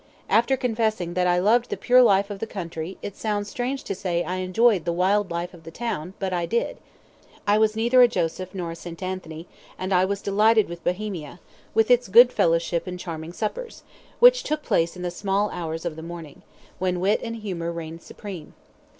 After confessing that I loved the pure life of the country, it sounds strange to say I enjoyed the wild life of the town, but I did. I was neither a Joseph nor a St. Anthony, and I was delighted with Bohemia, with its good fellowship and charming suppers, which took place in the small hours of the morning, when wit and humour reigned supreme.